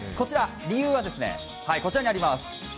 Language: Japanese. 理由は、こちらにあります。